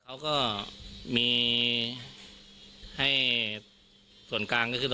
แม้นายเชิงชายผู้ตายบอกกับเราว่าเหตุการณ์ในครั้งนั้น